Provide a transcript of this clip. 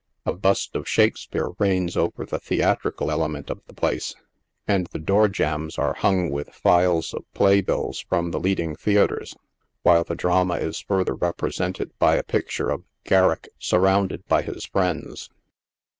A bust of Shakspeare reigns over the theatrical element of the place, and the door jambs are hung with files of play bills from the leading theatres, while the drama is further represented by a picture of " Garrick surrounded by his Friends."